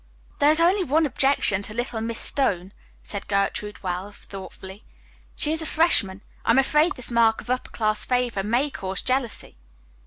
"There is only one objection to little Miss Stone," said Gertrude Wells thoughtfully. "She is a freshman. I am afraid this mark of upper class favor may cause jealousy."